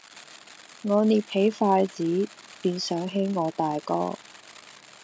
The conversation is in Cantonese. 我捏起筷子，便想起我大哥；